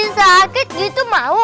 sakit gitu mau